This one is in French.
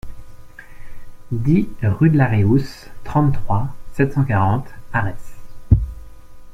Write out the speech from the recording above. dix rue de la Réousse, trente-trois, sept cent quarante, Arès